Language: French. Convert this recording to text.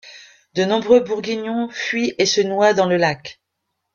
De nombreux Bourguignons fuient et se noient dans le lac.